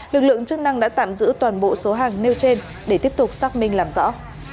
lực lượng chức năng đã tạm giữ toàn bộ số hàng nêu trên để tiếp tục xác minh làm rõ